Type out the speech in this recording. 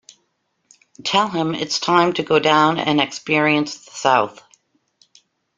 Tell him it's time to go down and experience the South.